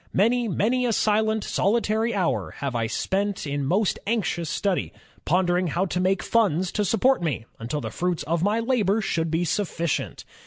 Many, many a silent, solitary hour have I spent in most anxious study, pondering how to make funds to support me imtil the fruits of my labor should be suffi cient.